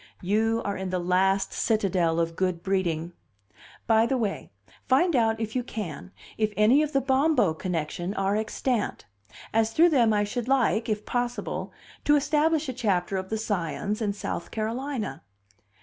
You are in the last citadel of good breeding. By the way, find out, if you can, if any of the Bombo connection are extant; as through them I should like, if possible, to establish a chapter of the Scions in South Carolina.